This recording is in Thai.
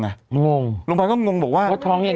งงโรงพยาบาลก็งงบอกว่า